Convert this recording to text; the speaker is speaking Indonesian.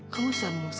kamu sama siapa